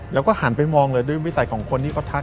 แล้วก็หันไปมองเลยด้วยวิสัยของคนที่เขาทัก